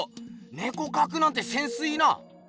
ねこかくなんてセンスいいな！